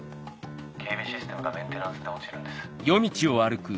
警備システムがメンテナンスで落ちるんです。